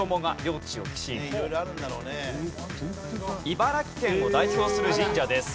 茨城県を代表する神社です。